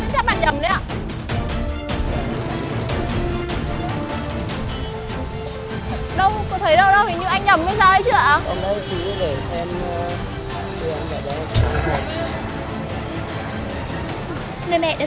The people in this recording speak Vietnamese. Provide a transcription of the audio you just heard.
con là ai